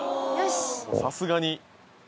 さすがに。